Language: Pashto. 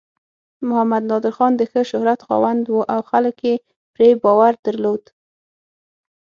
محمد نادر خان د ښه شهرت خاوند و او خلک یې پرې باور درلود.